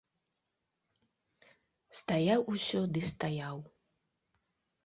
Стаяў усё ды стаяў.